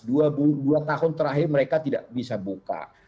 dua tahun terakhir mereka tidak bisa buka